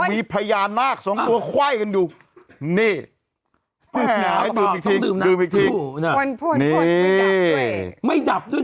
มีพญานาคสองตัวคว้ายกันดูนี่ดื่มอีกทีดื่มอีกทีนี่ไม่ดับด้วย